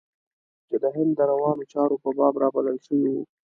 چې د هند د روانو چارو په باب رابلل شوی و.